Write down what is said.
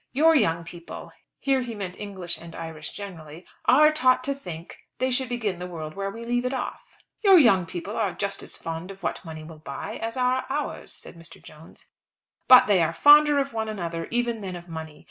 "Your young people," here he meant English and Irish generally, "are taught to think they should begin the world where we leave it off." "Your young people are just as fond of what money will buy as are ours," said Mr. Jones. "But they are fonder of one another, even, than of money.